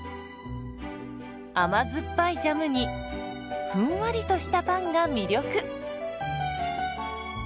甘酸っぱいジャムにふんわりとしたパンが魅力。